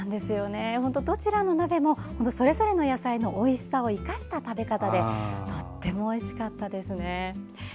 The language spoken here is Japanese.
どちらの鍋もそれぞれの野菜のおいしさを生かした食べ方でとってもおいしかったです。